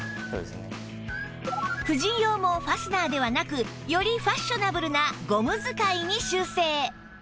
婦人用もファスナーではなくよりファッショナブルなゴム使いに修正